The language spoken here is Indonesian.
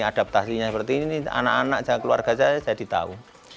adaptasinya seperti ini anak anak saya keluarga saya jadi tahu